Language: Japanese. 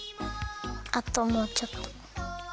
あともうちょっと。